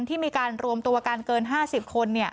ที่มีการรวมตัวกันเกิน๕๐คน